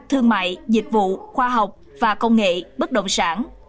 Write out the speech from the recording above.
thương mại dịch vụ khoa học và công nghệ bất động sản